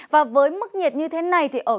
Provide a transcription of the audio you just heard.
với mức nhiệt như thế này